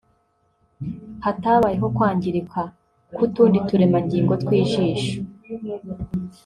hatabayeho kwangirika kw’utundi turemangingo tw’ijisho